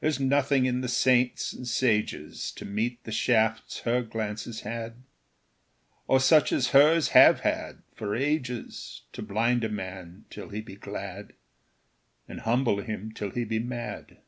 There's nothing in the saints and sages To meet the shafts her glances had, Or such as hers have had for ages To blind a man till he be glad, And humble him till he be mad.